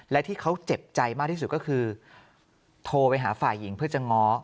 และที่เขาเจ็บใจมากที่สุดก็คือโทรไปหาฝ่ายหญิงเพื่อจะง้อ